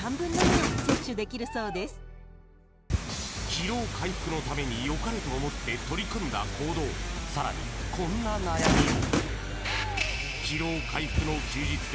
［疲労回復のために良かれと思って取り組んだ行動さらにこんな悩みも］